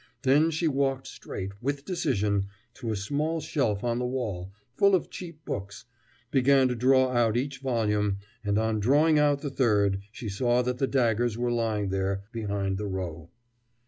Then she walked straight, with decision, to a small shelf on the wall, full of cheap books; began to draw out each volume, and on drawing out the third, she saw that the daggers were lying there behind the row.